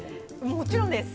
もちろんです。